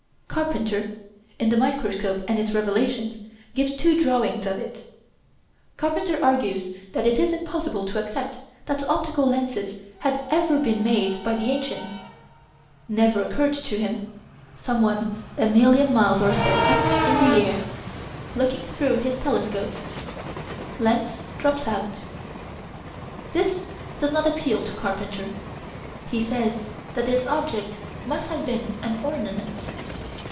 Carpenter, in The Microscope and Its Revelations, gives two drawings of it. Carpenter argues that it is impossible to accept that optical lenses had ever been made by the ancients. Never occurred to him someone a million miles or so up in the air looking through his telescope lens drops out. This does not appeal to Carpenter: he says that this object must have been an ornament.